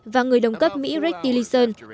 và người đồng cấp mỹ rick tillerson